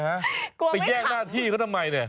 ไปแย่งหน้าที่เขาทำไมเนี่ย